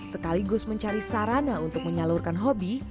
sekaligus mencari sarana untuk menyalurkan hobi